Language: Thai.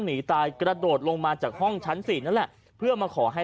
หนีตายกระโดดลงมาจากห้องชั้นสี่นั่นแหละเพื่อมาขอให้